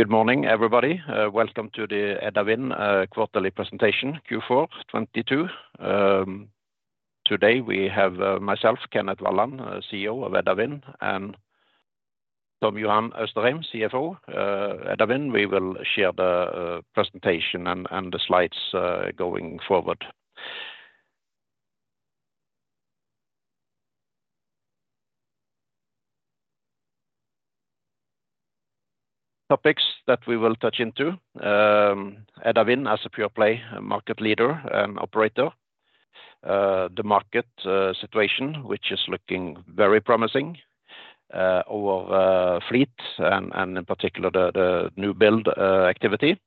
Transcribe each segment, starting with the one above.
Good morning, everybody. Welcome to the Edda Wind Quarterly Presentation, Q4 2022. Today we have myself, Kenneth Walland, CEO of Edda Wind, and Tom Johan Austrheim, CFO, Edda Wind. We will share the presentation and the slides going forward. Topics that we will touch into, Edda Wind as a pure-play market leader and operator. The market situation, which is looking very promising. Our fleet and in particular the newbuild activity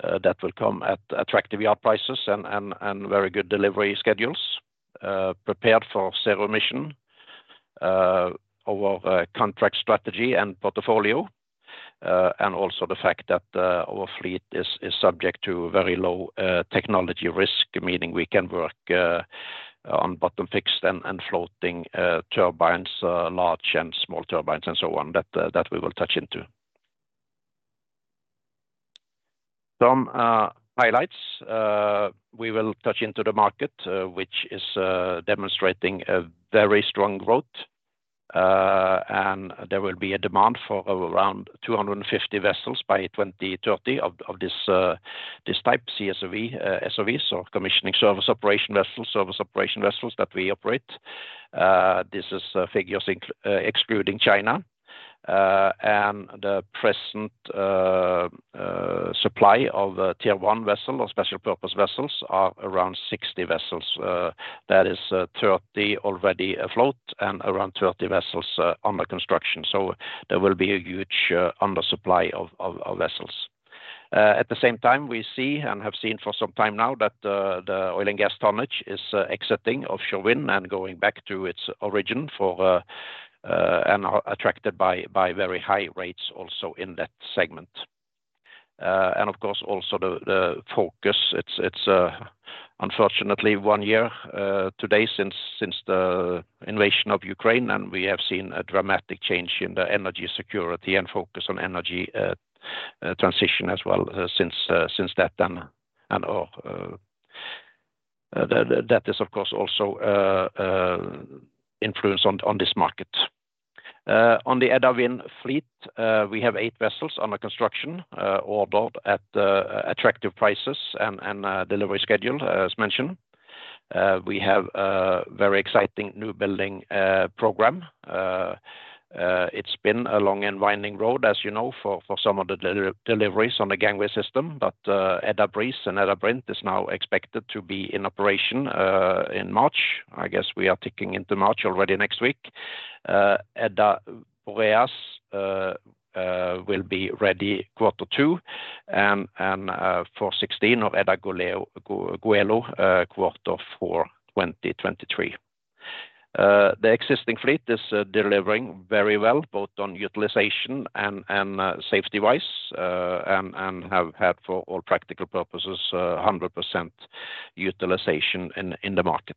that will come at attractive yard prices and very good delivery schedules. Prepared for zero-emission. Our contract strategy and portfolio, and also the fact that our fleet is subject to very low technology risk, meaning we can work on bottom fixed and floating turbines, large and small turbines and so on that we will touch into. Some highlights, we will touch into the market, which is demonstrating a very strong growth. There will be a demand for around 250 vessels by 2030 of this type CSOV, SOV, so Commissioning Service Operation Vessels, service operation vessels that we operate. This is figures excluding China. The present supply of Tier 1 vessel or special purpose vessels are around 60 vessels. That is 30 already afloat and around 30 vessels under construction. There will be a huge under supply of vessels. At the same time, we see and have seen for some time now that the oil and gas tonnage is exiting offshore wind and going back to its origin for and are attracted by very high rates also in that segment. Of course, also the focus, it's unfortunately one year today since the invasion of Ukraine, we have seen a dramatic change in the energy security and focus on energy transition as well since that and that is of course also influence on this market. On the Edda Wind fleet, we have eight vessels under construction, ordered at attractive prices and delivery schedule, as mentioned. We have a very exciting new building program. It's been a long and winding road, as you know, for some of the deliveries on the gangway system. Edda Breeze and Edda Brint is now expected to be in operation in March. I guess we are ticking into March already next week. Edda Boreas will be ready quarter two and for C416 of Edda Goelo, quarter four 2023. The existing fleet is delivering very well, both on utilization and safety-wise, and have had for all practical purposes, 100% utilization in the market.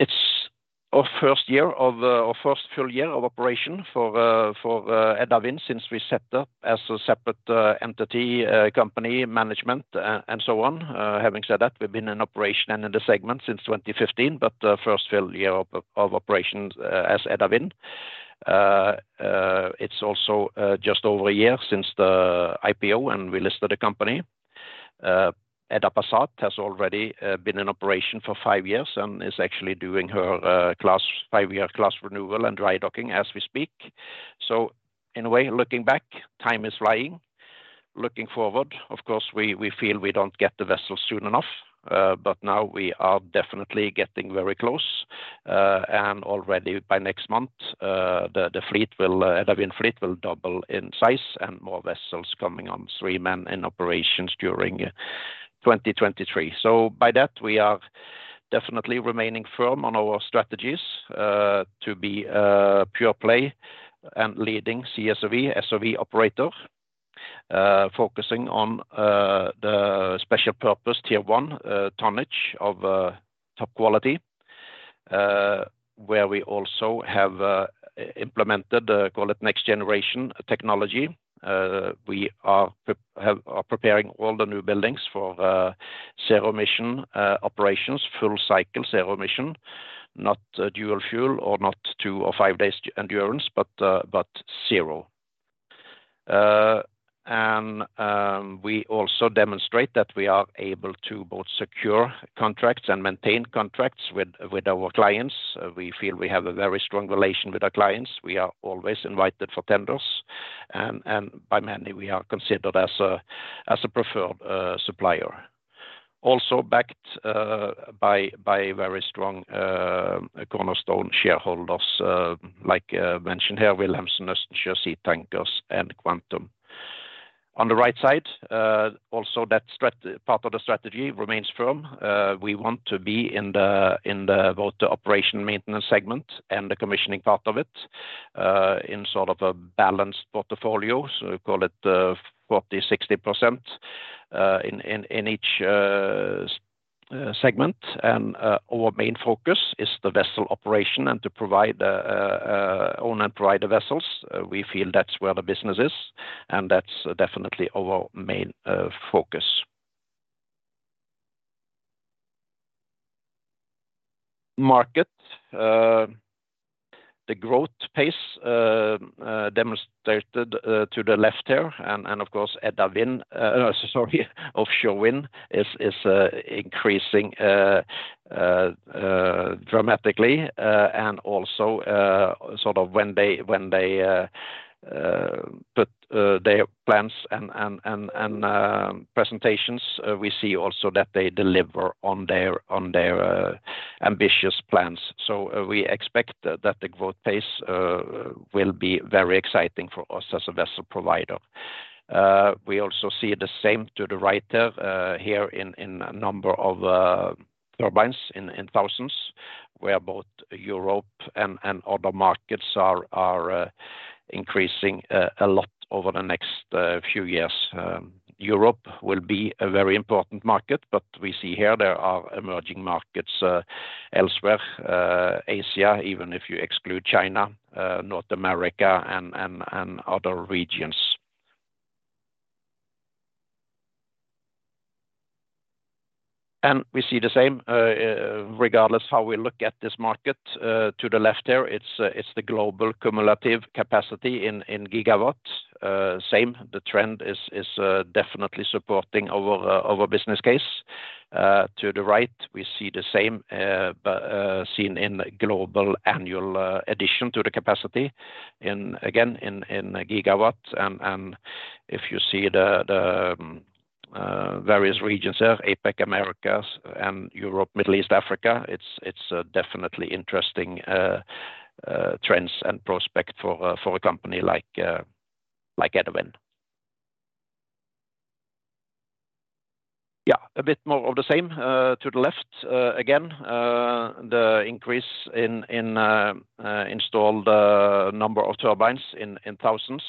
It's our first year of our first full year of operation for Edda Wind since we set up as a separate entity, company management and so on. Having said that, we've been in operation and in the segment since 2015, but the first full year of operations as Edda Wind. It's also just over a year since the IPO and we listed the company. Edda Passat has already been in operation for five years and is actually doing her five-year class renewal and dry docking as we speak. In a way, looking back, time is flying. Looking forward, of course, we feel we don't get the vessels soon enough, now we are definitely getting very close. Already by next month, the Edda Wind fleet will double in size and more vessels coming on stream and in operations during 2023. By that, we are definitely remaining firm on our strategies to be a pure play and leading CSOV, SOV operator, focusing on the special purpose Tier 1 tonnage of top quality, where we also have implemented, call it next generation technology. We are preparing all the new buildings for zero emission operations, full cycle zero emission, not dual-fuel or not two or five days endurance, but zero. We also demonstrate that we are able to both secure contracts and maintain contracts with our clients. We feel we have a very strong relation with our clients. We are always invited for tenders, and by many, we are considered as a preferred supplier. Also backed by very strong cornerstone shareholders, like mentioned here, Wilhelmsen, Østensjø, Sea Tankers, and Quantum. On the right side, also that part of the strategy remains firm. We want to be in the both the operation maintenance segment and the commissioning part of it. In sort of a balanced portfolio, so we call it 40%, 60% in each segment. Our main focus is the vessel operation and to provide own and provide the vessels. We feel that's where the business is, and that's definitely our main focus. Market, the growth pace demonstrated to the left here, and of course, Edda Wind, sorry, offshore wind is increasing dramatically. Also, sort of when they put their plans and presentations, we see also that they deliver on their ambitious plans. We expect that the growth pace will be very exciting for us as a vessel provider. We also see the same to the right here in number of turbines in thousands, where both Europe and other markets are increasing a lot over the next few years. Europe will be a very important market, but we see here there are emerging markets elsewhere, Asia, even if you exclude China, North America and other regions. We see the same, regardless how we look at this market, to the left here, it's the global cumulative capacity in gigawatts. Same, the trend is definitely supporting our business case. To the right, we see the same, but seen in global annual addition to the capacity in again in gigawatts. If you see the various regions here, APAC, Americas, and Europe, Middle East, Africa, it's definitely interesting trends and prospect for a company like Edda Wind. Yeah, a bit more of the same to the left. Again, the increase in installed number of turbines in thousands.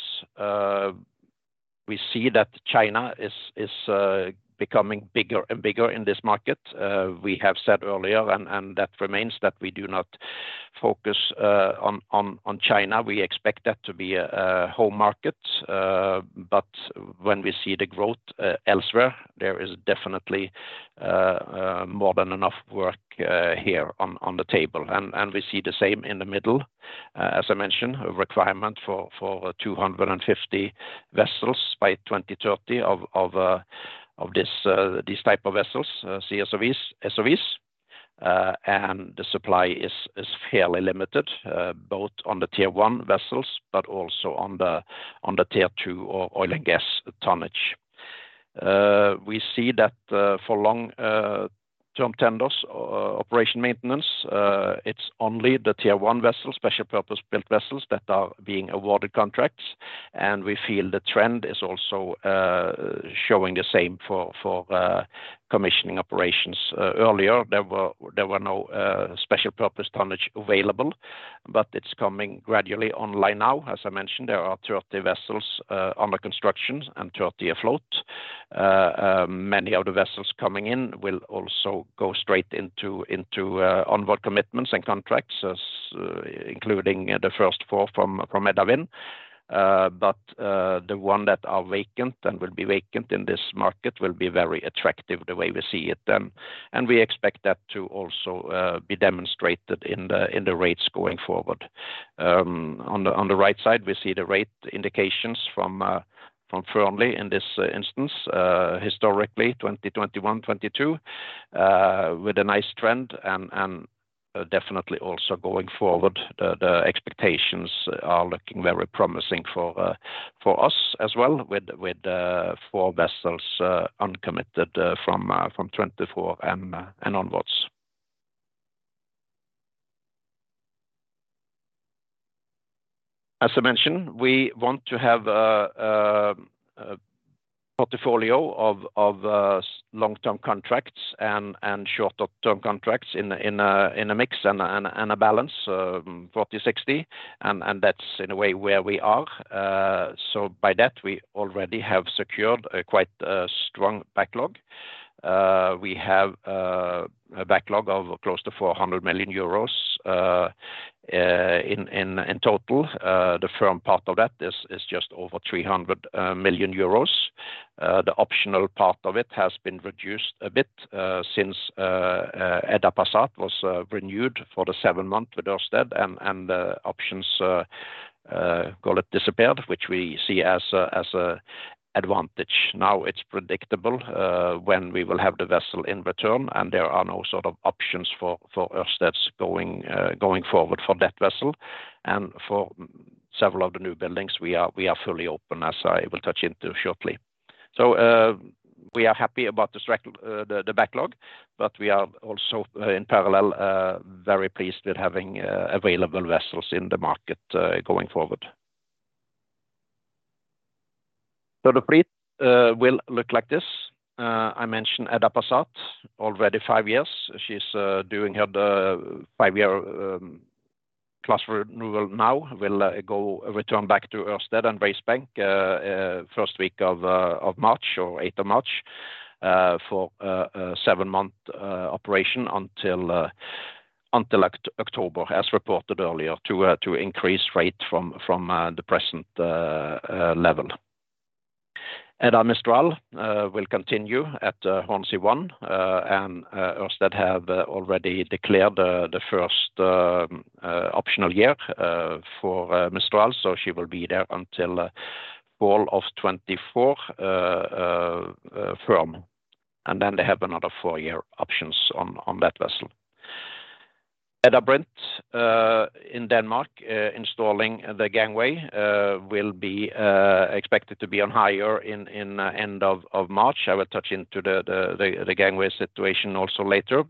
We see that China is becoming bigger and bigger in this market. Uh, we have said earlier, and, and that remains that we do not focus on China. We expect that to be a home market. But when we see the growth elsewhere, there is definitely more than enough work here on the table. And, and we see the same in the middle. As I mentioned, a requirement for 250 vessels by 2030 of this these type of vessels CSOV, SOVs and the supply is fairly limited both on the Tier 1 vessels, but also on the Tier 2 oil and gas tonnage. We see that for long term tenders operation maintenance it's only the Tier 1 vessels, special purpose built vessels that are being awarded contracts. We feel the trend is also showing the same for commissioning operations. Earlier there were no special purpose tonnage available, but it's coming gradually online now. As I mentioned, there are 30 vessels under construction and 30 afloat. Many of the vessels coming in will also go straight into onboard commitments and contracts as including the first four from Edda Wind. The one that are vacant and will be vacant in this market will be very attractive the way we see it then. We expect that to also be demonstrated in the rates going forward. On the right side, we see the rate indications from Fearnleys in this instance, historically 2021, 2022, with a nice trend and definitely also going forward, the expectations are looking very promising for us as well with four vessels uncommitted from 2024 and onwards. As I mentioned, we want to have a portfolio of long-term contracts and short-term contracts in a mix and a balance, 40/60. That's in a way where we are. By that, we already have secured a quite strong backlog. We have a backlog of close to 400 million euros in total. The firm part of that is just over 300 million euros. The optional part of it has been reduced a bit since Edda Passat was renewed for the seven month with Ørsted and the options call it disappeared, which we see as an advantage. Now it's predictable when we will have the vessel in return, and there are no sort of options for Ørsted going forward for that vessel. For several of the new buildings, we are fully open, as I will touch into shortly. We are happy about the backlog, but we are also in parallel very pleased with having available vessels in the market going forward. The fleet will look like this. I mentioned Edda Passat, already five years. She's doing her five-year class renewal now. return back to Ørsted and Race Bank first week of March or eighth of March for a seven-month operation until October, as reported earlier, to increase rate from the present level. Edda Mistral will continue at Hornsea One. Ørsted have already declared the first optional year for Mistral, so she will be there until fall of 2024 firm. They have another four-year options on that vessel. Edda Brint in Denmark, installing the gangway, will be expected to be on hire in end of March. I will touch into the gangway situation also later.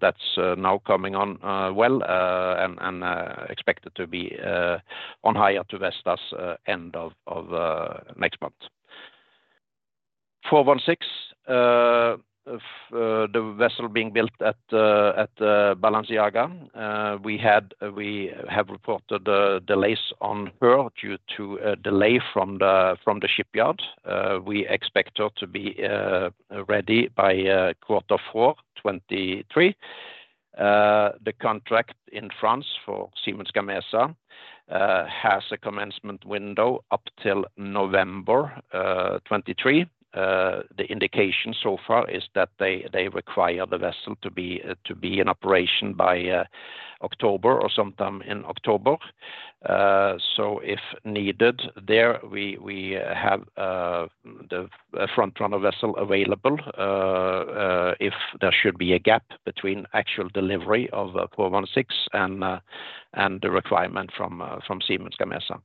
That's now coming on well and expected to be on hire to Vestas end of next month. 416, the vessel being built at Balenciaga. We have reported delays on her due to a delay from the shipyard. We expect her to be ready by quarter 4 2023. The contract in France for Siemens Gamesa has a commencement window up till November 2023. The indication so far is that they require the vessel to be in operation by October or sometime in October. If needed there, we have the front runner vessel available, if there should be a gap between actual delivery of C416 and the requirement from Siemens Gamesa.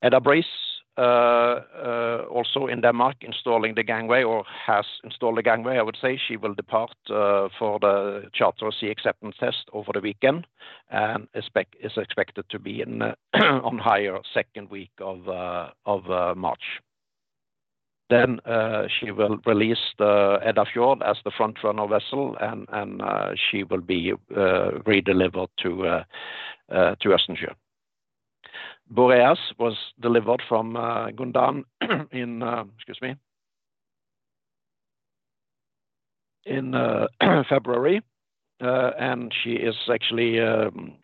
Edda Breeze also in Denmark installing the gangway or has installed the gangway, I would say. She will depart for the charterer sea acceptance test over the weekend and is expected to be in on hire second week of March. She will release the Edda Fjord as the front runner vessel and she will be redelivered to Østensjø. Boreas was delivered from Gondan in. Excuse me. In February. And she is actually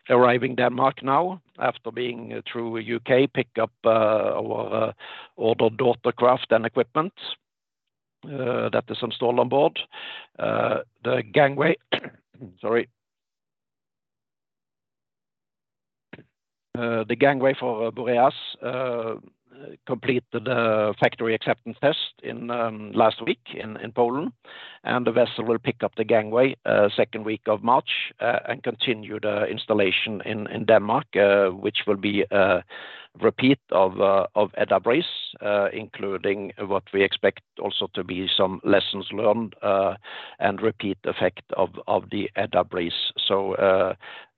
arriving Denmark now after being through U.K., pick up all the daughter craft and equipment that is installed on board. The gangway. Sorry. The gangway for Boreas completed the factory acceptance test last week in Poland. The vessel will pick up the gangway second week of March and continue the installation in Denmark, which will be a repeat of Edda Breeze, including what we expect also to be some lessons learned and repeat effect of the Edda Breeze.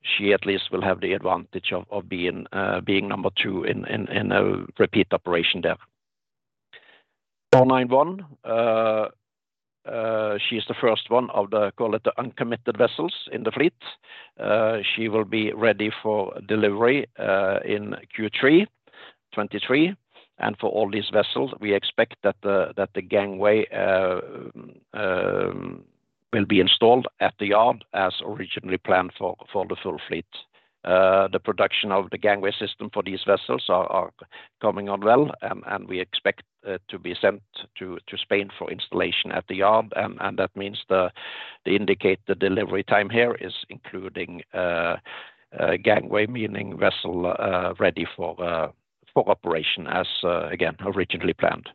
She at least will have the advantage of being number two in a repeat operation there. C491, she is the first one of the, call it, the uncommitted vessels in the fleet. She will be ready for delivery in Q3 2023. For all these vessels, we expect that the gangway will be installed at the yard as originally planned for the full fleet. The production of the gangway system for these vessels are coming on well, and we expect to be sent to Spain for installation at the yard. That means they indicate the delivery time here is including gangway, meaning vessel ready for operation as again, originally planned.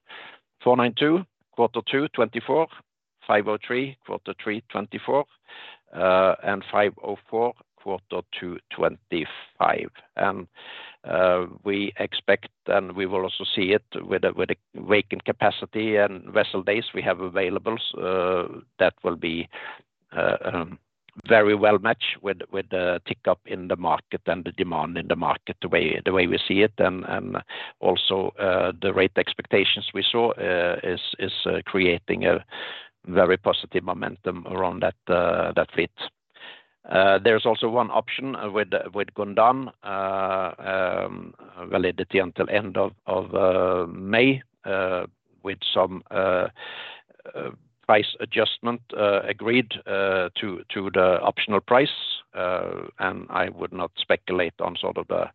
C492, Q2 2024. C503, Q3 2024. C504, Q2 2025. We expect, and we will also see it with the vacant capacity and vessel days we have available, that will be very well matched with the tick up in the market and the demand in the market, the way we see it. Also, the rate expectations we saw is creating a very positive momentum around that fleet. There's also one option with Gondan, validity until end of May, with some price adjustment agreed to the optional price. I would not speculate on sort of the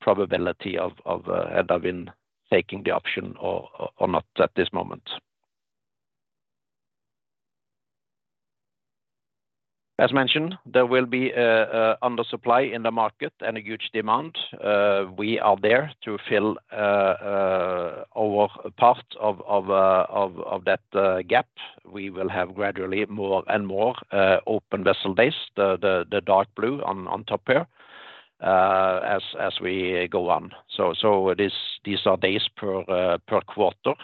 probability of Edda Wind taking the option or not at this moment. As mentioned, there will be a undersupply in the market and a huge demand. We are there to fill our part of that gap. We will have gradually more and more open vessel days, the dark blue on top here, as we go on. These are days per quarter.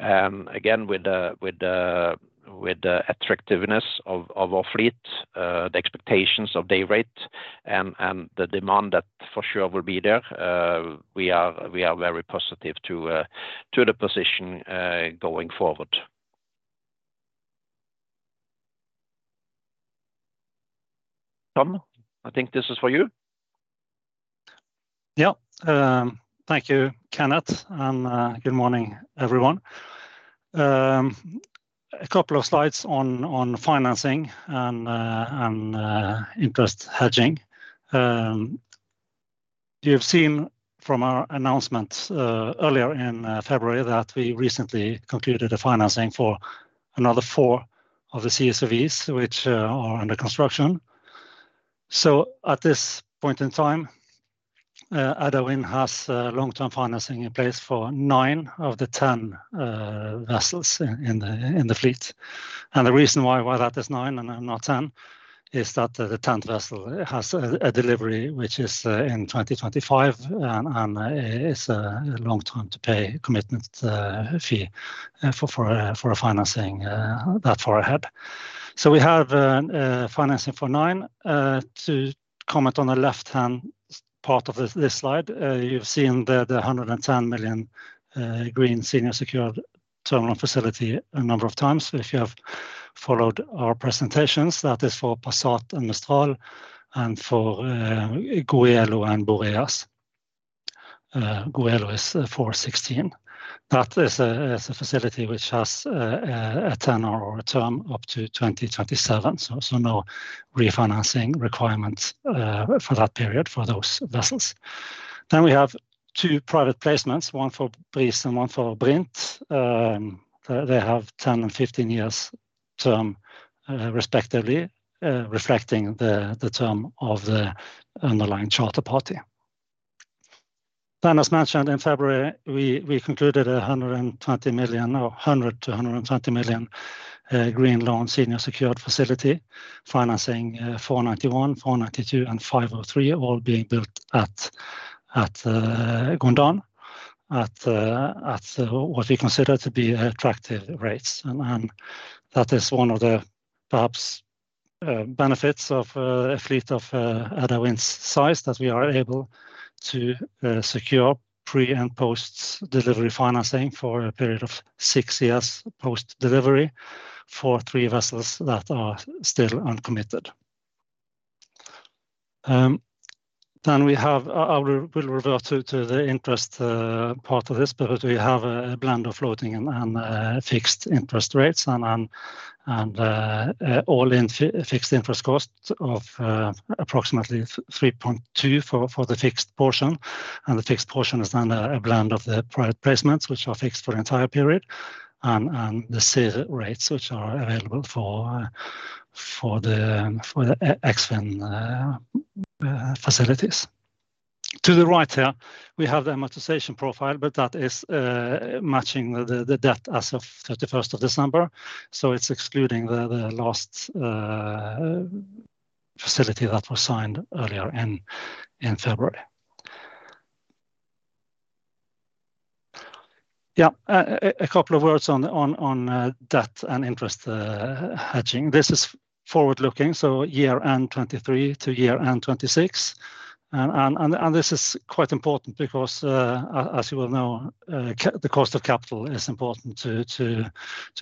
Again, with the attractiveness of our fleet, the expectations of day rate and the demand that for sure will be there, we are very positive to the position going forward. Tom, I think this is for you. Yeah. Thank you, Kenneth, and good morning, everyone. A couple of slides on financing and interest hedging. You've seen from our announcement earlier in February that we recently concluded a financing for another four of the CSOV, which are under construction. At this point in time, Edda Wind has long-term financing in place for nine of the 10 vessels in the fleet. The reason why that is nine and not 10 is that the 10th vessel has a delivery which is in 2025 and is a long time to pay commitment fee for a financing that far ahead. We have financing for nine. To comment on the left-hand part of this slide, you've seen the 110 million green senior secured term loan facility a number of times. If you have followed our presentations, that is for Passat and Mistral and for Edda Goelo and Edda Boreas. Edda Goelo is C416. That is a facility which has a 10-year term up to 2027, so no refinancing requirements for that period for those vessels. We have two private placements, one for Edda Breeze and one for Edda Brint. They have 10 and 15 years term respectively, reflecting the term of the underlying charter party. As mentioned in February, we concluded a 100 million-120 million green loan senior secured facility financing 491, 492 and 503, all being built at Gondan at what we consider to be attractive rates. That is one of the perhaps benefits of a fleet of Edda Wind size that we are able to secure pre- and post-delivery financing for a period of six years post-delivery for three vessels that are still uncommitted. I will revert to the interest part of this, but we have a blend of floating and fixed interest rates and all-in fixed interest costs of approximately 3.2% for the fixed portion. The fixed portion is then a blend of the private placements, which are fixed for the entire period, and the IRS rates which are available for the Eksfin facilities. To the right here, we have the amortization profile, but that is matching the debt as of 31st of December. It's excluding the last facility that was signed earlier in February. A couple of words on debt and interest hedging. This is forward-looking, so year end 23-year end 2026. This is quite important because as you well know, the cost of capital is important to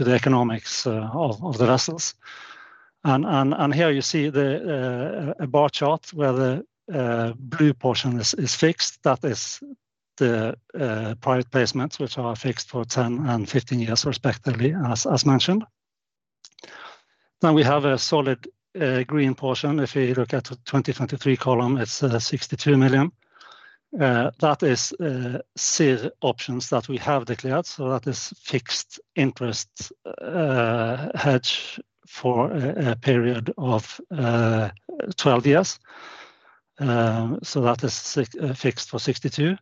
the economics of the vessels. Here you see the a bar chart where the blue portion is fixed. That is the private placements, which are fixed for 10 and 15 years respectively, as mentioned. We have a solid green portion. If you look at the 2023 column, it's 62 million. That is IRS options that we have declared, so that is fixed interest hedge for a period of 12 years. So that is fixed for 62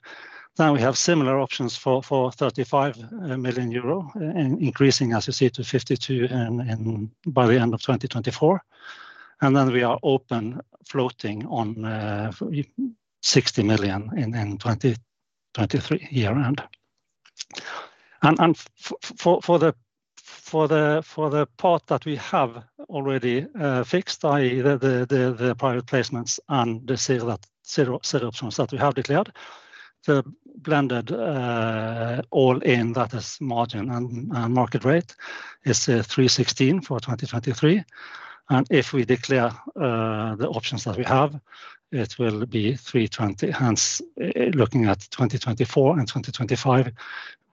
million. We have similar options for 35 million euro, increasing, as you see, to 52 million by the end of 2024. We are open floating on 60 million in 2023 year end. For the part that we have already fixed, i.e. The private placements and the IRS options that we have declared, the blended all-in, that is margin and market rate, is 3.16% for 2023. If we declare the options that we have, it will be 3.20%. Hence, looking at 2024 and 2025,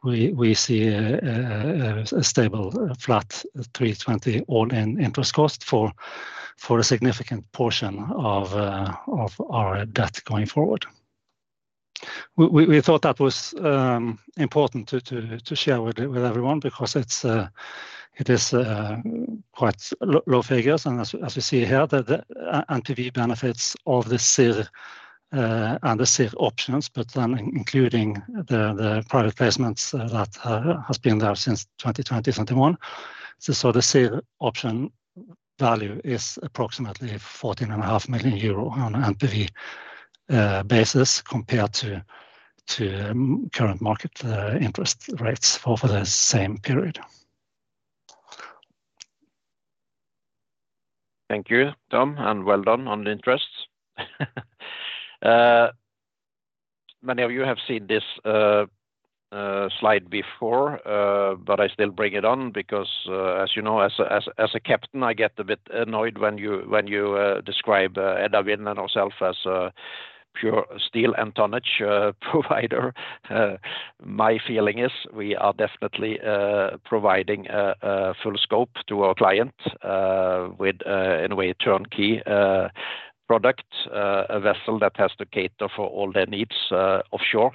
we see a stable flat 3.20% all-in interest cost for a significant portion of our debt going forward. We thought that was important to share with everyone because it is quite low figures. As you see here, the NPV benefits of the IRS and the IRS options, including the private placements that has been there since 2020, 2021. The SIR option value is approximately fourteen and a half million euro on NPV basis compared to current market interest rates for the same period. Thank you, Tom, and well done on the interest. Many of you have seen this slide before, but I still bring it on because, as you know, as a captain, I get a bit annoyed when you describe Edda Wind and ourself as a pure steel and tonnage provider. My feeling is we are definitely providing a full scope to our client with in a way a turnkey product. A vessel that has to cater for all their needs offshore.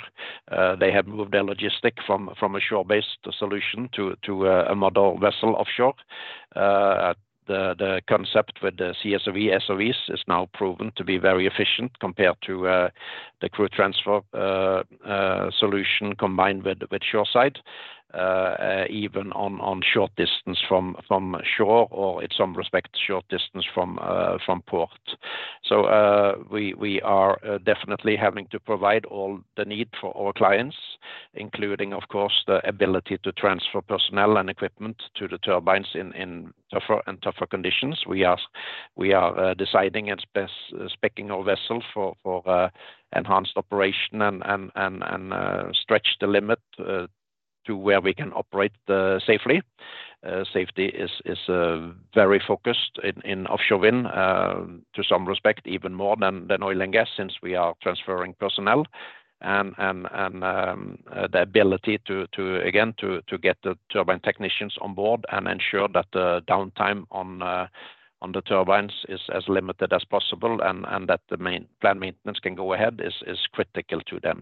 They have moved their logistic from a shore-based solution to a model vessel offshore. he CSOV, SOVs is now proven to be very efficient compared to the crew transfer solution combined with shoreside, even on short distance from shore or in some respect, short distance from port. We are definitely having to provide all the need for our clients, including, of course, the ability to transfer personnel and equipment to the turbines in tougher and tougher conditions. We are deciding and specing our vessel for enhanced operation and stretch the limit to where we can operate safely. Safety is very focused in offshore wind, to some respect, even more than oil and gas, since we are transferring personnel and the ability to again to get the turbine technicians on board and ensure that the downtime on the turbines is as limited as possible and that the planned maintenance can go ahead is critical to them.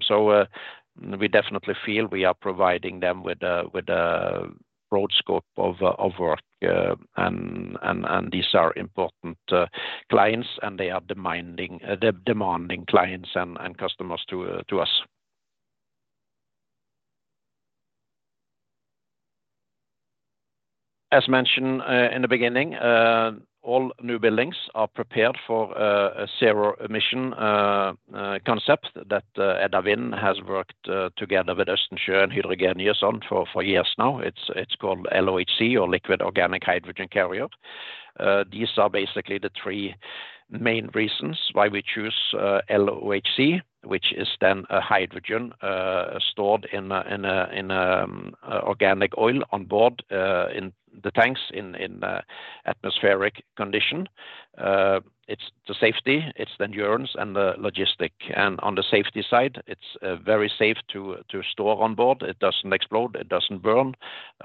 We definitely feel we are providing them with a broad scope of work. These are important clients, and they are demanding clients and customers to us. As mentioned, in the beginning, all new buildings are prepared for a zero emission concept that Edda Wind has worked together with Østensjø and Hydrogenious on for years now. It's called LOHC or Liquid Organic Hydrogen Carrier. These are basically the three main reasons why we choose LOHC, which is then a hydrogen stored in a organic oil on board, in the tanks in atmospheric condition. It's the safety, it's the endurance and the logistic. On the safety side, it's very safe to store on board. It doesn't explode, it doesn't burn,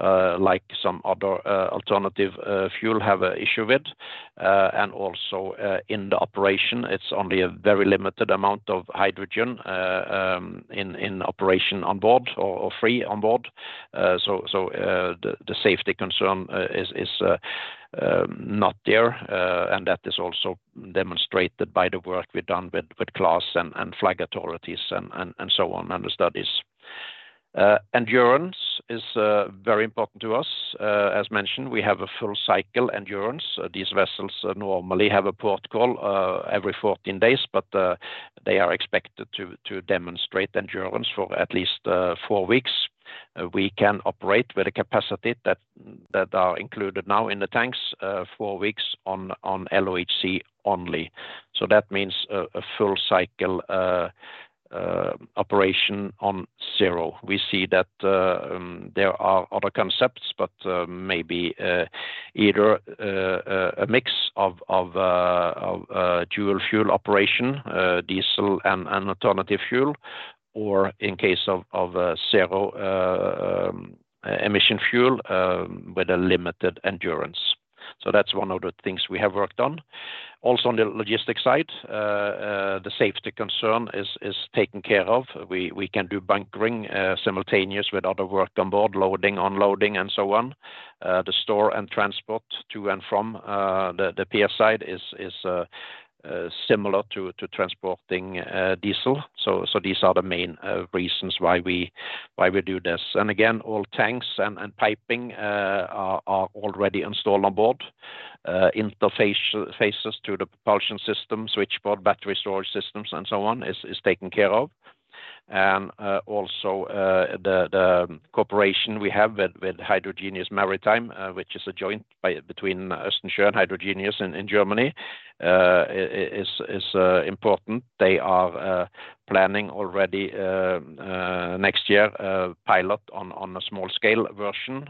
like some other alternative fuel have a issue with. Also, in the operation, it's only a very limited amount of hydrogen in operation on board or free on board. The safety concern is not there. That is also demonstrated by the work we've done with class and flag authorities and so on, and the studies. Endurance is very important to us. As mentioned, we have a full cycle endurance. These vessels normally have a port call every 14 days, they are expected to demonstrate endurance for at least four weeks. We can operate with a capacity that are included now in the tanks four weeks on LOHC only. That means a full cycle operation on zero. We see that there are other concepts, but maybe either a mix of dual-fuel operation, diesel and an alternative fuel, or in case of zero-emission fuel with a limited endurance. That's one of the things we have worked on. Also, on the logistic side, the safety concern is taken care of. We can do bunkering simultaneous with other work on board, loading, unloading, and so on. The store and transport to and from the pier side is similar to transporting diesel. These are the main reasons why we do this. Again, all tanks and piping are already installed on board. Interfaces to the propulsion system, switchboard, battery storage systems, and so on is taken care of. Also, the cooperation we have with Hydrogenious Maritime, which is a joint by between Østensjø and Hydrogenious in Germany, is important. They are planning already next year a pilot on a small scale version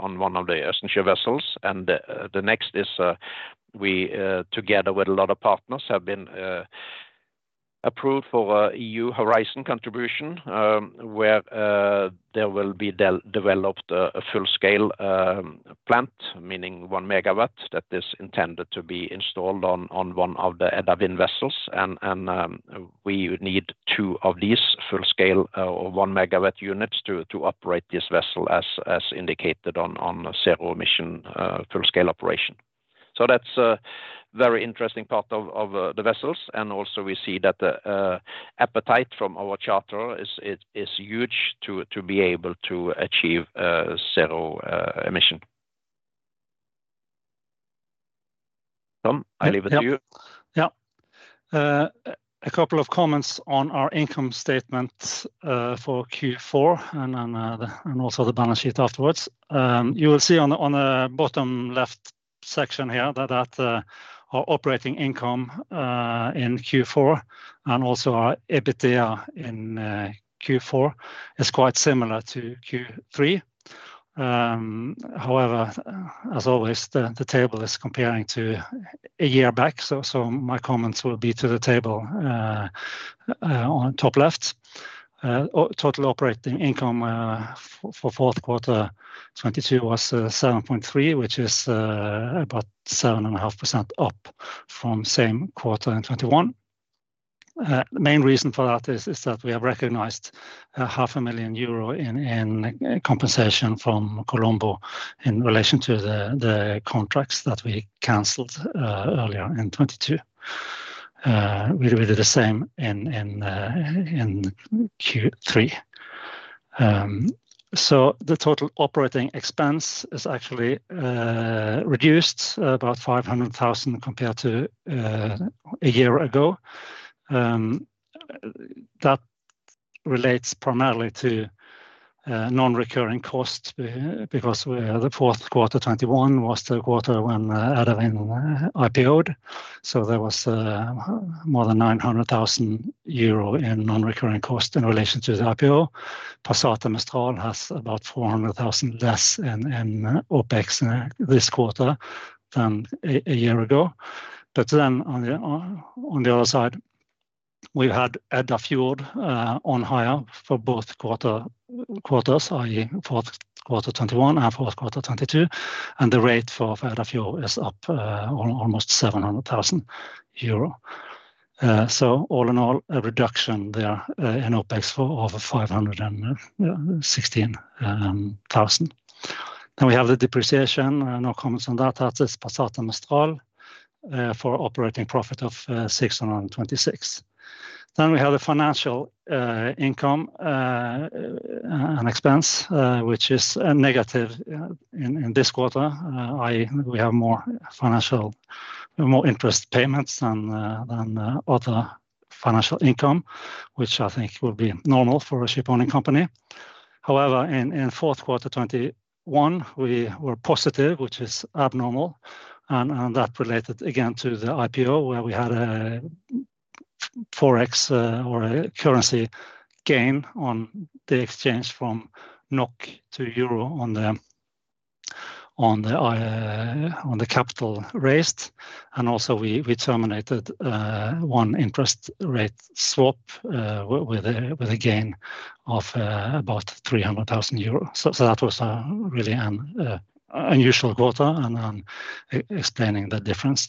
on one of the Østensjø vessels. The next is we together with a lot of partners, have been approved for a EU Horizon contribution, where there will be developed a full scale plant, meaning one megawatt, that is intended to be installed on one of the Edda Wind vessels. We would need two of these full scale one megawatt units to operate this vessel as indicated on a zero emission full scale operation. That's a very interesting part of the vessels. Also, we see that the appetite from our charter is huge to be able to achieve zero emission. Tom, I leave it to you. Yeah. A couple of comments on our income statement for Q4 and also the balance sheet afterwards. You will see on the bottom left section here that our operating income in Q4 and also our EBITDA in Q4 is quite similar to Q3. However, as always, the table is comparing to a year back, my comments will be to the table. On top left. Total operating income for fouth quarter 2022 was 7.3 million, which is about 7.5% up from same quarter in 2021. The main reason for that is that we have recognized a half a million euro in compensation from Colombo in relation to the contracts that we canceled earlier in 2022. We did the same in Q3. The total OpEx is actually reduced about 500,000 compared to a year ago. That relates primarily to non-recurring costs because Q4 2021 was the quarter when Edda Wind IPO-ed. There was more than 900,000 euro in non-recurring costs in relation to the IPO. Edda Passat and Edda Mistral has about 400,000 less in OpEx in this quarter than a year ago. On the other side, we've had Edda Fjord on hire for both quarters, i.e. Q4 2021 and Q4 2022, and the rate for Edda Fjord is up almost 700,000 euro. All in all, a reduction there, in OpEx for over 516,000. We have the depreciation. No comments on that. That is Passat and Mistral, for operating profit of 626. We have the financial income and expense, which is negative in this quarter. i.e., we have more financial, more interest payments than other financial income, which I think will be normal for a shipowning company. However, in fourth quarter 2021, we were positive, which is abnormal, and that related again to the IPO, where we had a Forex or a currency gain on the exchange from NOK to EUR on the capital raised. We terminated 1 interest rate swap with a gain of about 300,000 euros. That was really an unusual quarter and explaining the difference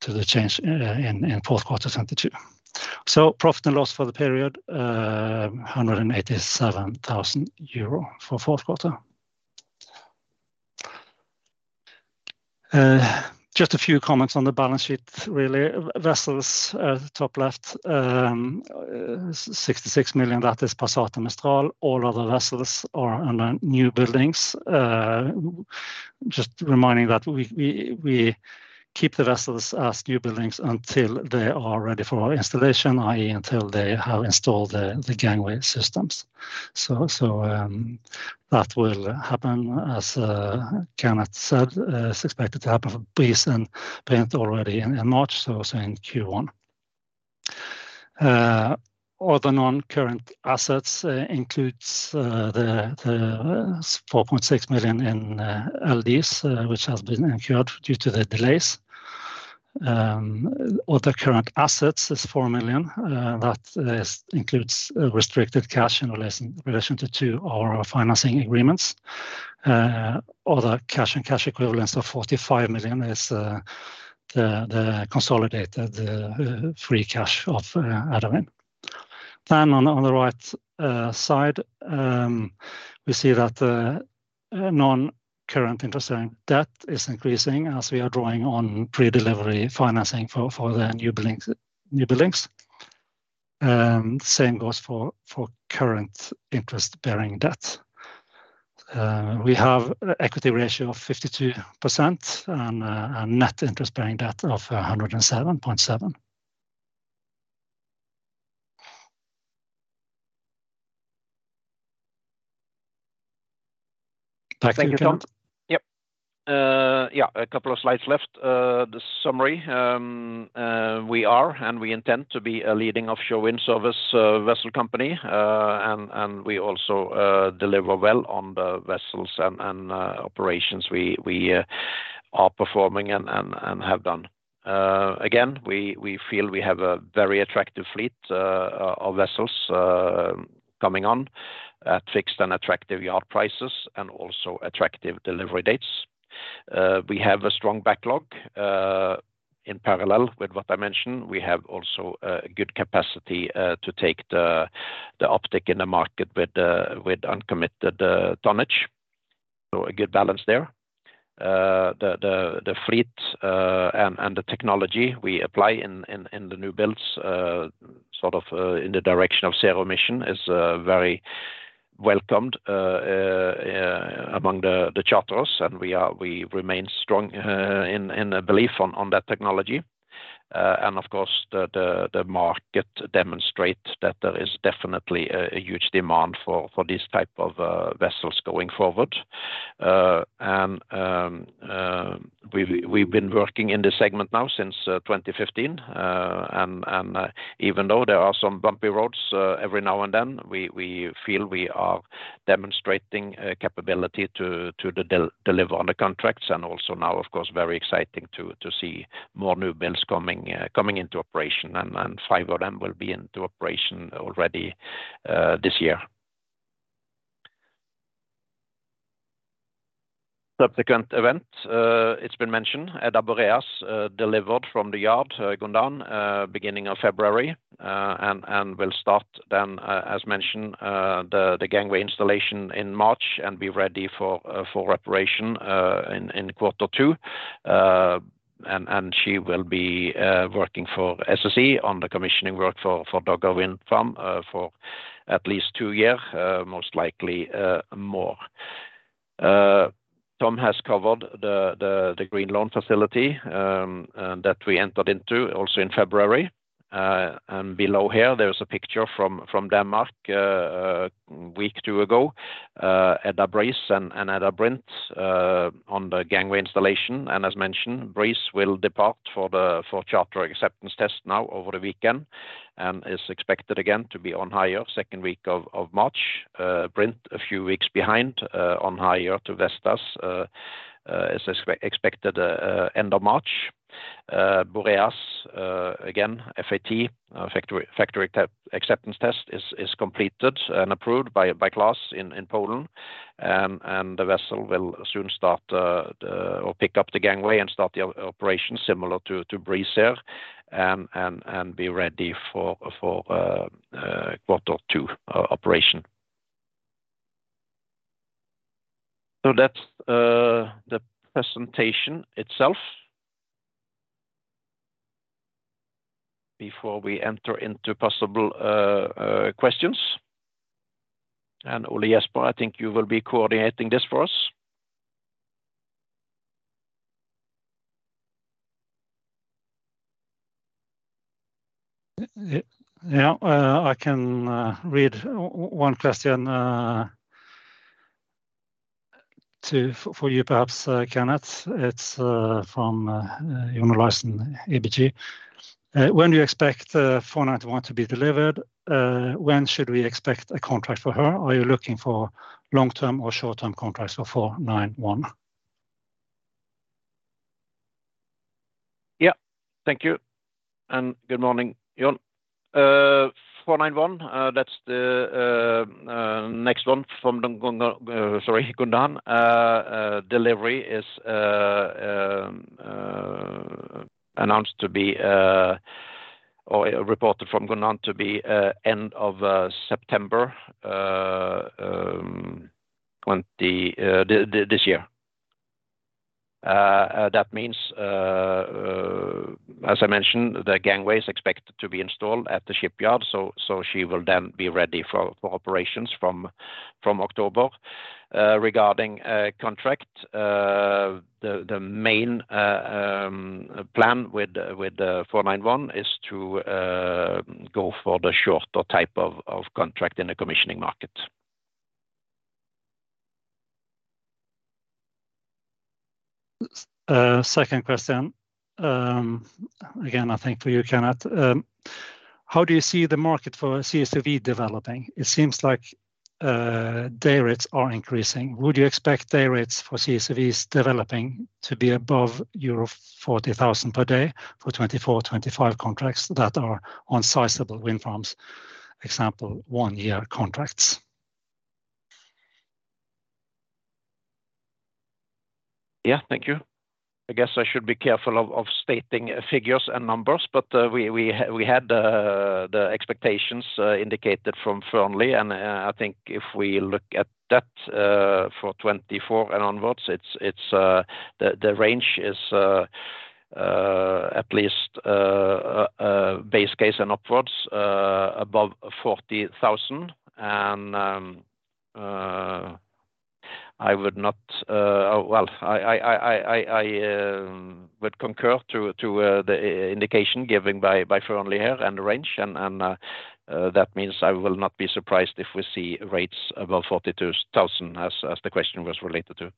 to the change in fourth quarter 2022. Profit and loss for the period 187,000 euro for fourth quarter. Just a few comments on the balance sheet really. Vessels at the top left 66 million, that is Passat and Mistral. All other vessels are under new buildings. Just reminding that we keep the vessels as new buildings until they are ready for installation, i.e. until they have installed the gangway systems. That will happen, as Kenneth said, is expected to happen for Edda Breeze and Edda Brint already in March, so in Q1. Other non-current assets includes the 4.6 million in LDs, which has been incurred due to the delays. Other current assets is 4 million. That includes restricted cash in relation to two of our financing agreements. Other cash and cash equivalents of 45 million is the consolidated free cash of Edda Wind. On the right side, we see that non-current interest-bearing debt is increasing as we are drawing on pre-delivery financing for new buildings. Same goes for current interest-bearing debt. We have equity ratio of 52% and a net interest-bearing debt of 107.7 million. Thank you, Tom. Yep. Yeah, a couple of slides left. The summary. We are and we intend to be a leading offshore wind service vessel company. We also deliver well on the vessels and operations we are performing and have done. We feel we have a very attractive fleet of vessels coming on at fixed and attractive yard prices and also attractive delivery dates. We have a strong backlog. In parallel with what I mentioned, we have also a good capacity to take the uptick in the market with uncommitted tonnage. A good balance there. The fleet and the technology we apply in the new builds, sort of in the direction of zero emission is very Welcomed among the charters and we are, we remain strong in the belief on that technology. And of course, the market demonstrates that there is definitely a huge demand for these type of vessels going forward. And we've been working in this segment now since 2015. And even though there are some bumpy roads every now and then, we feel we are demonstrating capability to deliver on the contracts and also now, of course, very exciting to see more new builds coming coming into operation and five of them will be into operation already this year. Subsequent event, it's been mentioned, Edda Boreas delivered from the yard, Gondan, beginning of February. Will start then, as mentioned, the gangway installation in March and be ready for operation in quarter two. She will be working for SSE on the commissioning work for Dogger Bank Wind Farm for at least two years, most likely more. Tom has covered the green loan facility that we entered into also in February. Below here, there is a picture from Denmark a week or two ago, Edda Breeze and Edda Brint on the gangway installation. As mentioned, Edda Breeze will depart for charter acceptance test now over the weekend, and is expected again to be on hire second week of March. Edda Brint, a few weeks behind, on hire to Vestas, is expected end of March. Edda Boreas, again, FAT, factory acceptance test is completed and approved by Class in Poland. The vessel will soon start or pick up the gangway and start the operation similar to Edda Breeze there and be ready for quarter two operation. That's the presentation itself. Before we enter into possible questions, and Ole Jesper, I think you will be coordinating this for us. Yeah. I can read one question for you perhaps, Kenneth Walland. It's from Jon Larsen, ABG. When do you expect C491 to be delivered? When should we expect a contract for her? Are you looking for long-term or short-term contracts for C491? Yeah. Thank you and good morning, Jon. C491, that's the next one from Gondan. Delivery is announced to be or reported from Gondan to be end of September this year. That means, as I mentioned, the gangway is expected to be installed at the shipyard, so she will then be ready for operations from October. Regarding a contract, the main plan with C491 is to go for the shorter type of contract in the commissioning market. Second question. Again, I think for you, Kenneth. How do you see the market for CSOV developing? It seems like day rates are increasing. Would you expect day rates for CSOVs developing to be above euro 40,000 per day for 2024, 2025 contracts that are on sizable wind farms, example, one-year contracts? Yeah. Thank you. I guess I should be careful of stating figures and numbers, but we had the expectations indicated from Fearnleys. I think if we look at that for 2024 and onwards, it's the range is at least base case and upwards above EUR 40,000. I would not. Oh, well, I would concur to the indication given by Fearnleys here and the range, and that means I will not be surprised if we see rates above 42,000 as the question was related to.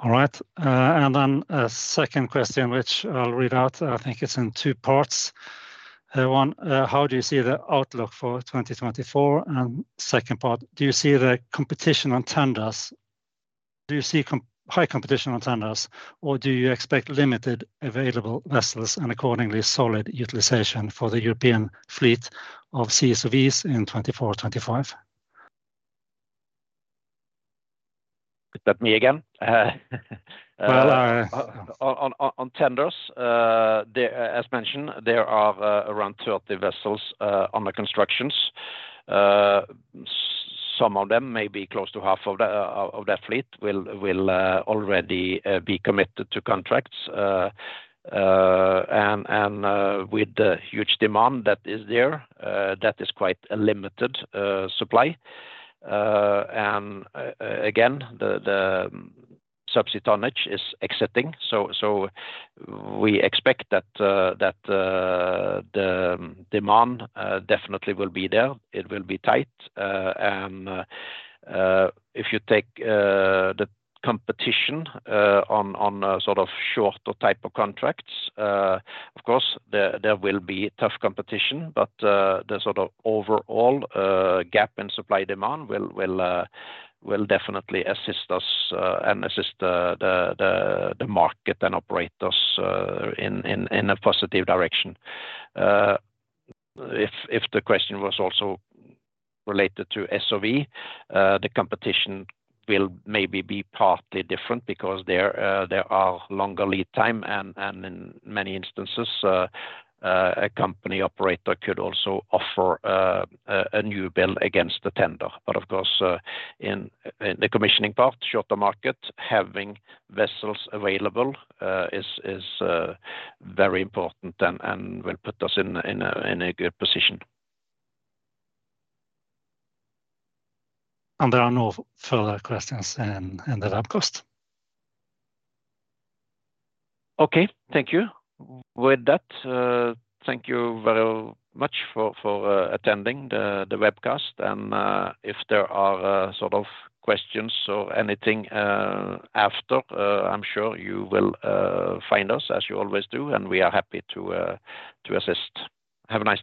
All right. Then a second question, which I'll read out. I think it's in two parts. One, how do you see the outlook for 2024? Second part, do you expect limited available vessels and accordingly solid utilization for the European fleet of CSOVs in 2024, 2025? Is that me again? Well. On tenders, there, as mentioned, there are around 12 vessels under constructions. Some of them may be close to half of the fleet will already be committed to contracts. With the huge demand that is there, that is quite a limited supply. Again, the subsea tonnage is exiting. We expect that the demand definitely will be there. It will be tight. If you take the competition on sort of shorter type of contracts, of course, there will be tough competition. The sort of overall gap in supply demand will definitely assist us and assist the market and operate us in a positive direction. If the question was also related to SOV, the competition will maybe be partly different because there are longer lead time and in many instances, a company operator could also offer a new build against the tender. Of course, in the commissioning part, shorter market, having vessels available is very important and will put us in a good position. There are no further questions in the webcast. Okay. Thank you. With that, thank you very much for attending the webcast. If there are sort of questions or anything after, I'm sure you will find us as you always do, and we are happy to assist. Have a nice day.